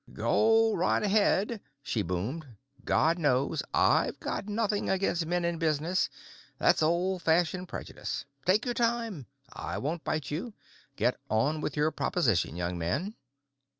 "Go right ahead," she boomed. "God knows, I've got nothing against men in business; that's old fashioned prejudice. Take your time. I won't bite you. Get on with your proposition, young man."